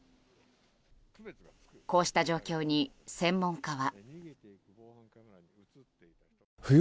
こうした状況に、専門家は。